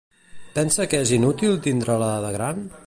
Pensa que és inútil tindre-la de gran?